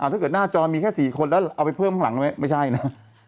ถ้าเกิดหน้าจอมีแค่๔คนแล้วเอาไปเพิ่มข้างหลังไม่ใช่นะ